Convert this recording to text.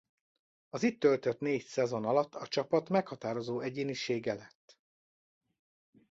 Az itt töltött négy szezon alatt a csapat meghatározó egyénisége lett.